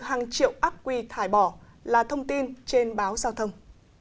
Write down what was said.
hàng triệu ác quy thải bỏ là thông tin trên báo giao thông